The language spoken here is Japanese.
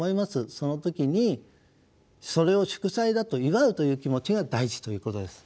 その時にそれを祝祭だと祝うという気持ちが大事ということです。